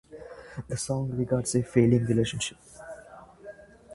The song regards a failing relationship.